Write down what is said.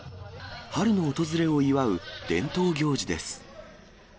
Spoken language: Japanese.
春の訪れを祝う伝統行事です。